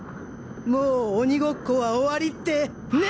もう鬼ゴッコは終わりってね！！